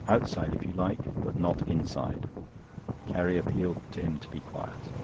Outside if you like, but not inside." Carrie appealed to him to be quiet.